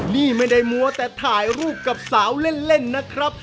นี่ไม่ได้มัวแต่ถ่ายรูปกับสาวเล่นนะครับ